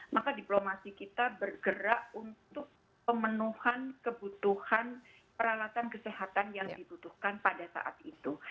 maka diplomasi kita bergerak untuk pemenuhan kebutuhan peralatan kesehatan yang dibutuhkan pada saat itu